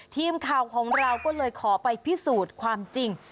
ทีมข่าวของเราก็เลยขอไปพิสูจน์ความจริง